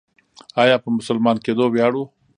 آیا په مسلمان کیدو ویاړو؟